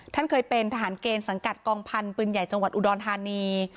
ท่านเคยเป็นทหารเกณฑ์สังกัดกองพันธุ์ปืนใหญ่จังหวัดอุดรธานี